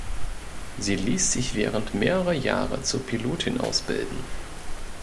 Sie liess sich während mehrerer Jahre zur Pilotin ausbilden.